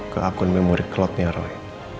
ke akun memori clotnya roy